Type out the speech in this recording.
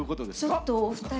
ちょっとお二人